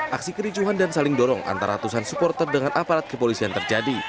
aksi kericuhan dan saling dorong antara ratusan supporter dengan aparat kepolisian terjadi